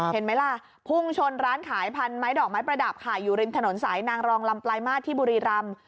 เห็นไหมล่ะพุ่งชนร้านขายพันไม้ดอกไม้ประดับค่ะอยู่ริมถนนสายนางรองลำปลายมาตรที่บุรีรำ